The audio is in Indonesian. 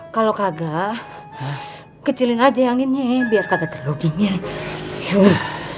kalau kagak kecilin aja anginnya biar kagak terlalu dingin